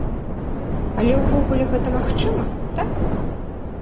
Але ўвогуле гэта магчыма, так?